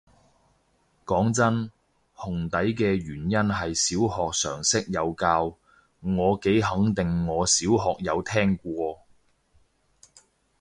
講真，紅底嘅原因係小學常識有教，我幾肯定我小學有聽過